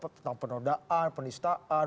tentang penodaan penistaan